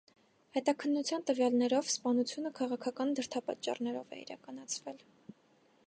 Հետաքննության տվյալներով, սպանությունը քաղաքական դրդապատճառներով է իրականացվել։